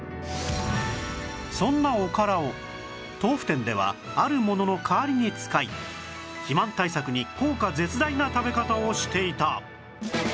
そんなおからを豆腐店ではあるものの代わりに使い肥満対策に効果絶大な食べ方をしていた